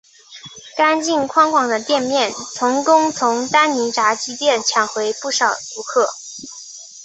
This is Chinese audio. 干净宽广的店面成功从丹尼炸鸡店抢回不少顾客。